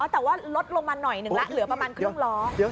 แต่ว่าลดลงมาหน่อยหนึ่งแล้วเหลือประมาณครึ่งล้อ